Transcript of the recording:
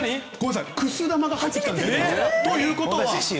くす玉が入ってきました！ということは。